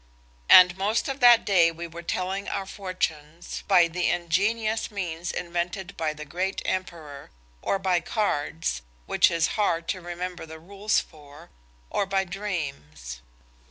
And most of that day we were telling our fortunes by the ingenious means invented by the great Emperor, or by cards, which it is hard to remember the rules for, or by dreams.